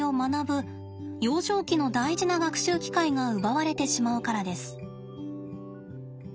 幼少期の大事な学習機会が奪われてしまうからです。